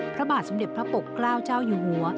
พระบาทสมเด็จพระปกเกล้าเจ้าอยู่หัว